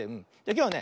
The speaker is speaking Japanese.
きょうはね